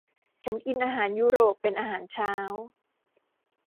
ฉันกินอาหารยุโรปเป็นอาหารเช้า